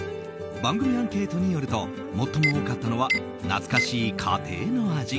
番組アンケートによると最も多かったのは懐かしい家庭の味。